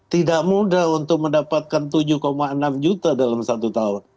tidak mudah untuk mendapatkan tujuh enam juta dalam satu tahun